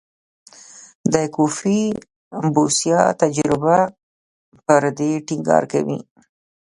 د کوفي بوسیا تجربه پر دې ټینګار کوي.